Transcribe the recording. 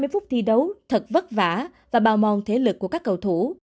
một trăm hai mươi phút thi đấu thật vất vả và bào mòn thể lực của các cầu thủ